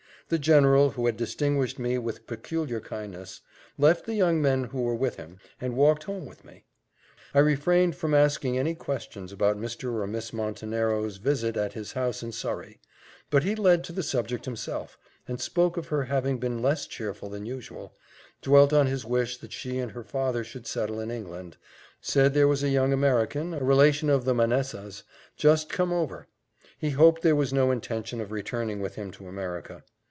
The general, who had distinguished me with peculiar kindness, left the young men who were with him, and walked home with me. I refrained from asking any questions about Mr. or Miss Montenero's visit at his house in Surrey; but he led to the subject himself, and spoke of her having been less cheerful than usual dwelt on his wish that she and her father should settle in England said there was a young American, a relation of the Manessas, just come over; he hoped there was no intention of returning with him to America.